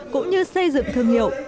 cũng như xây dựng thương hiệu